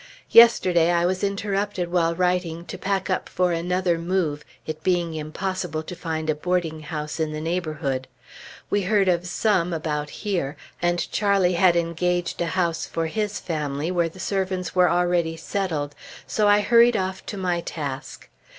Yesterday I was interrupted while writing, to pack up for another move, it being impossible to find a boarding house in the neighborhood. We heard of some about here, and Charlie had engaged a house for his family, where the servants were already settled, so I hurried off to my task.